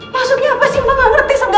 maksudnya apa sih mbak gak ngerti sama